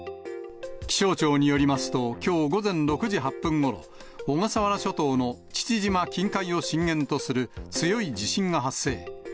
気象庁によりますと、きょう午前６時８分ごろ、小笠原諸島の父島近海を震源とする強い地震が発生。